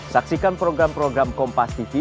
saksikan program program kompas tv